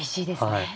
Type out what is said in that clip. はい。